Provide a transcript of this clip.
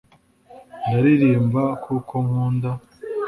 ndaririmba kuko nkunda